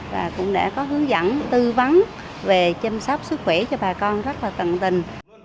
và cũng đã có hướng dẫn tư vấn về chăm sóc sức khỏe cho bà con rất là tận tình